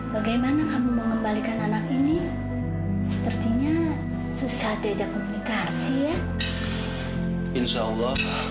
bagaimana kamu mau mengembalikan anak ini sepertinya susah diajak komunikasi ya insyaallah